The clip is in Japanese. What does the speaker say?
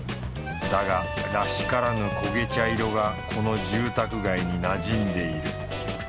だがらしからぬ焦げ茶色がこの住宅街になじんでいる。